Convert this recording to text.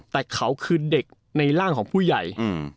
แต่เขาคือเด็กในร่างของผู้ใหญ่